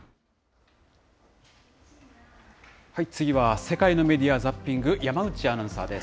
次は世界のメディア・ザッピング、山内アナウンサーです。